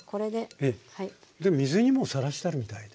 水にもさらしてあるみたいですね。